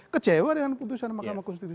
kecewa dengan keputusan mkd itu